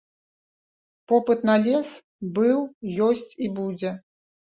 Попыт на лес быў, ёсць і будзе.